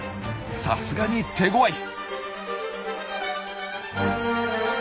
さすがに手ごわい！